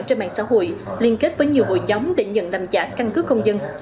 trên mạng xã hội liên kết với nhiều hội chống để nhận làm giả căn cứ công dân